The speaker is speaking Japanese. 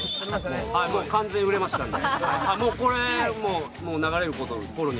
完全に売れましたので。